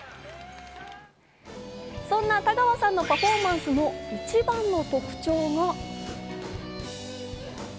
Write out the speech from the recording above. そんな田川さんのパフォーマンスの一番の特徴は。